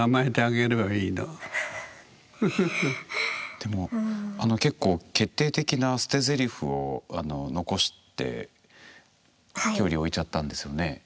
でも結構決定的な捨てぜりふを残して距離を置いちゃったんですよね？